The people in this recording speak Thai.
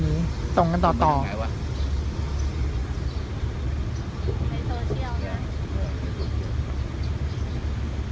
ส่งมาทางไหนวะในโซเชียลนะ